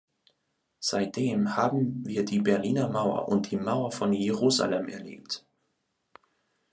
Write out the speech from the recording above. Seitdem haben wir die Berliner Mauer und die Mauer von Jerusalem erlebt.